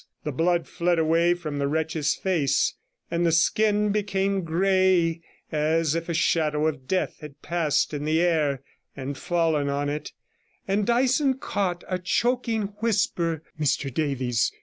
The blood fled away from the wretch's face, and the skin became grey as if a shadow of death had passed in the air and fallen on it, and Dyson caught a choking whisper, 'Mr Davies